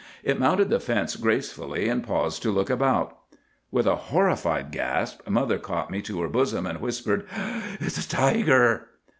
It mounted the fence gracefully, and paused to look about. "With a horrified gasp, mother caught me to her bosom, and whispered,— "'It's a tiger!